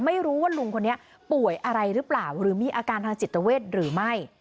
ไม่รู้ว่าลุงคนนี้ป่วยอะไรหรือเปล่าหรือมีอาการทางจิตเวทหรือไม่